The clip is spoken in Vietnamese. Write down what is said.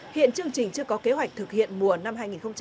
hiện chương trình chưa có kế hoạch thực hiện mùa năm hai nghìn hai mươi